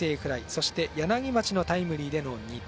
そして柳町のタイムリーでの２点。